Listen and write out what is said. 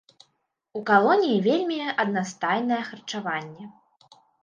У калоніі вельмі аднастайнае харчаванне.